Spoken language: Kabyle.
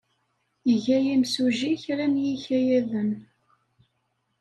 Iga yimsujji kra n yikayaden.